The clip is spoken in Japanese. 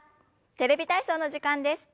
「テレビ体操」の時間です。